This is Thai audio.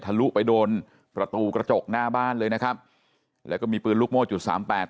ลุไปโดนประตูกระจกหน้าบ้านเลยนะครับแล้วก็มีปืนลูกโม่จุดสามแปด